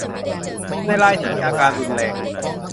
ในรายที่มีอาการรุนแรง